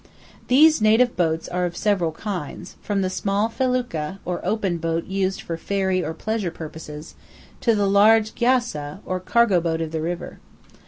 These native boats are of several kinds, from the small "felucca," or open boat used for ferry or pleasure purposes, to the large "giassa," or cargo boat of the river.